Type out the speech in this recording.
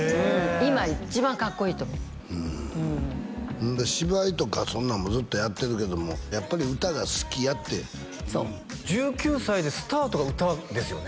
今一番かっこいいと思うほんで芝居とかそんなんもずっとやってるけどもやっぱり歌が好きやっていうそう１９歳でスタートが歌ですよね